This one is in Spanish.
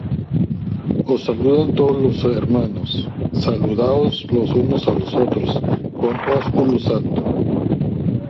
Os saludan todos los hermanos. Saludaos los unos á los otros con ósculo santo.